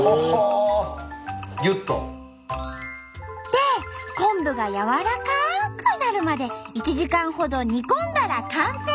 で昆布が軟らかくなるまで１時間ほど煮込んだら完成！